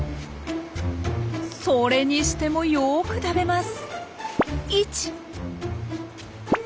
それにしてもよく食べます。